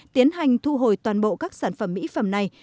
tiến hành thu hồi toàn bộ các sản phẩm mỹ phẩm này